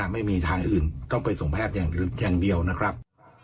ไม่มีทางอื่นต้องไปส่งแพทย์อย่างเดียวนะครับ